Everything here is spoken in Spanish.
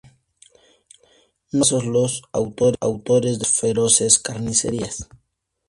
No van presos los autores de las más feroces carnicerías.